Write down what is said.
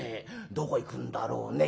どこ行くんだろうね？